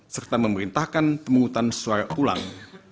serta memerintahkan pemungutan suara ulang